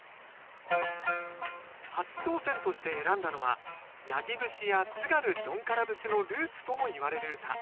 初挑戦として選んだのは「八木節」や「津軽じょんから節」のルーツともいわれる唄。